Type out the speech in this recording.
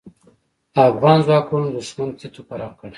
افغان ځواکونو دوښمن تيت و پرک کړ.